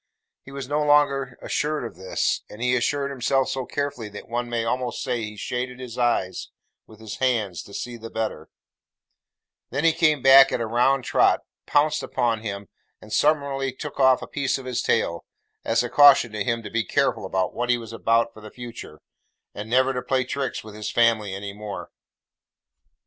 He was no sooner assured of this; and he assured himself so carefully that one may almost say he shaded his eyes with his hand to see the better; than he came back at a round trot, pounced upon him, and summarily took off a piece of his tail; as a caution to him to be careful what he was about for the future, and never to play tricks with his family any more.